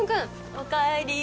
おかえり。